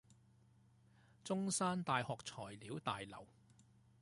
中山大學材料大樓